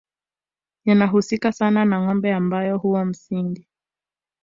yanahusika sana na ngombe ambao huwa msingi